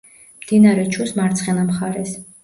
მდინარე ჩუს მარცხენა მხარეს.